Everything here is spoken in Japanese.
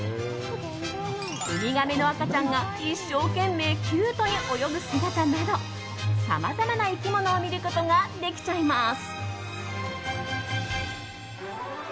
ウミガメの赤ちゃんが一生懸命キュートに泳ぐ姿などさまざまな生き物を見ることができちゃいます。